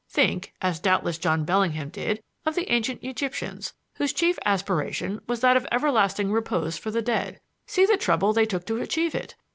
Think as doubtless John Bellingham did of the ancient Egyptians, whose chief aspiration was that of everlasting repose for the dead. See the trouble they took to achieve it.